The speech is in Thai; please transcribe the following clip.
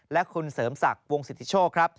และคุณเสริมศักดิ์วงสิทธิโชคครับ